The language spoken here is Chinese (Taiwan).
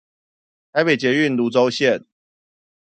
台北捷運蘆洲線